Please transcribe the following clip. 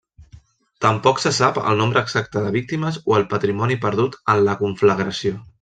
Tampoc se sap el nombre exacte de víctimes o el patrimoni perdut en la conflagració.